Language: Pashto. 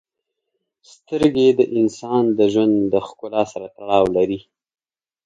• سترګې د انسان د ژوند د ښکلا سره تړاو لري.